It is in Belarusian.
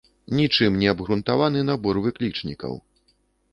Нічым не абгрунтаваны набор выклічнікаў.